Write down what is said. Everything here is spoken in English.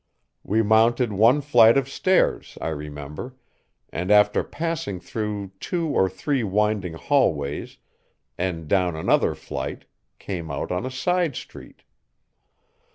We mounted one flight of stairs, I remember, and after passing through two or three winding hallways and down another flight, came out on a side street.